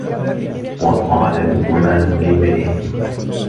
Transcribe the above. وَقَالَ لُقْمَانُ لِابْنِهِ